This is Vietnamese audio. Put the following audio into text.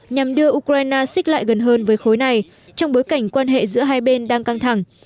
nhằm đưa ukraine xích lại gần hơn với khối này trong bối cảnh quan hệ giữa hai bên đang căng thẳng